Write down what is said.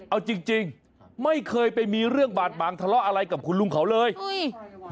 เอาจริงจริงไม่เคยไปมีเรื่องบาดหมางทะเลาะอะไรกับคุณลุงเขาเลยอุ้ย